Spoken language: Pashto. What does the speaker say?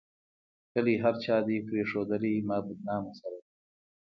کلي هر چا دې پريښودلي ما بدنامه سره